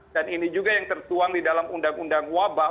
dan ini juga yang tertuang di dalam undang undang wabah